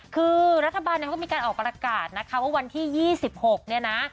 คือรัฐบาลก็มีการออกปรากฏนะคะเพราะวันที่๒๖เนี่ยนะ